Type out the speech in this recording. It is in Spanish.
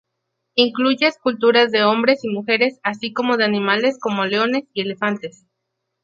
Incluye esculturas de hombres y mujeres, así como de animales como leones y elefantes.